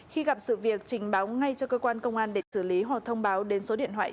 khi gặp sự việc trình báo ngay cho cơ quan công an để xử lý hoặc thông báo đến số điện thoại